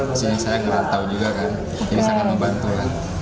disini saya kenal tahu juga kan jadi sangat membantu kan